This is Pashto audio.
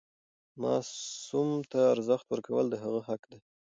ماسوم ته ارزښت ورکول د هغه حق دی.